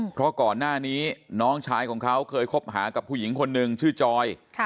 เพราะก่อนหน้านี้น้องชายของเขาเคยคบหากับผู้หญิงคนหนึ่งชื่อจอย